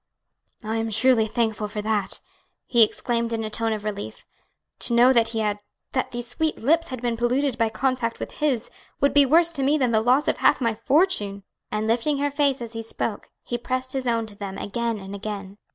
"I am truly thankful for that!" he exclaimed in a tone of relief; "to know that he had that these sweet lips had been polluted by contact with his would be worse to me than the loss of half my fortune." And lifting her face as he spoke, he pressed his own to them again and again.